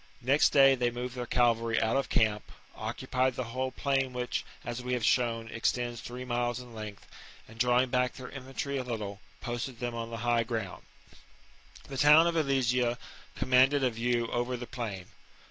Next day they moved their cavalry out of camp, occupied the whole plain which, as we have shown, extends three miles in length, and, drawing back their infantry a little, posted them on the high ground. The town of Alesia commanded a view over the plain.